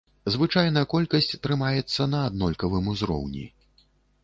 Звычайна, колькасць трымаецца на аднолькавым узроўні.